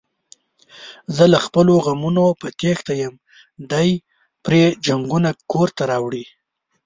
زه له خپلو غمونو په تېښته یم، دی پري جنگونه کورته راوړي.